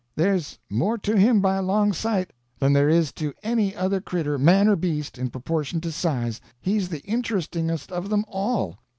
"There's more to him, by a long sight, than there is to any other cretur, man or beast, in proportion to size. He's the interestingest of them all.